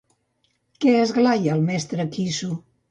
Què esglaia Mestre Quissu?